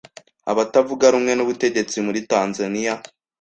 Abatavuga rumwe n'ubutegetsi muri Tanzania